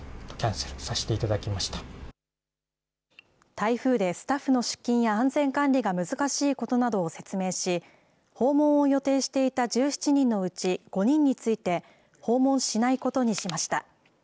台風でスタッフの出勤や安全管理が難しいことなどを説明し、訪問を予定していた１７人のうち５人について、訪問しないことにしました。